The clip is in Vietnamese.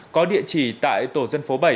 có địa chỉ tại tổ dân phố bảy